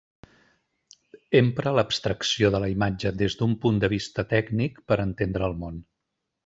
Empra l'abstracció de la imatge des d'un punt de vista tècnic per entendre el món.